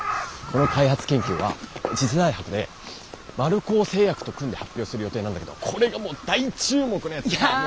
この開発研究は次世代博で丸高製薬と組んで発表する予定なんだけどこれがもう大注目のやつでさ。